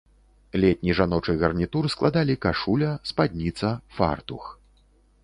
Летні жаночы гарнітур складалі кашуля, спадніца, фартух.